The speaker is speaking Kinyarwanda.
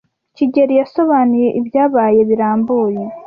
kigeli yasobanuye ibyabaye birambuye.